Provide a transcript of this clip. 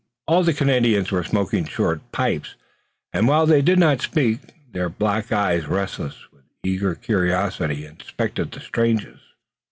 All the Canadians were smoking short pipes, and, while they did not speak, their black eyes, restless with eager curiosity, inspected the strangers.